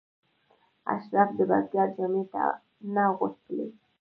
اشراف د بزګر جامې نه اغوستلې.